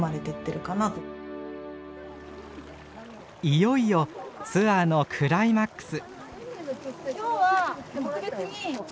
いよいよツアーのクライマックス！